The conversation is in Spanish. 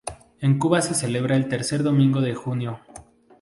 En Cuba se celebra el tercer domingo de junio.